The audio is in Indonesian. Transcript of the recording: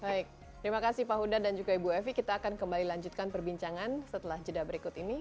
baik terima kasih pak huda dan juga ibu evi kita akan kembali lanjutkan perbincangan setelah jeda berikut ini